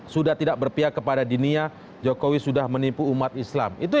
sudah tidak berpihak kepada dinia jokowi sudah menipu umat islam